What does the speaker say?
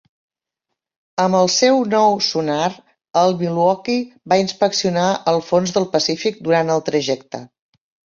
Amb el seu nou sonar, el "Milwaukee" va inspeccionar el fons del Pacífic durant el trajecte.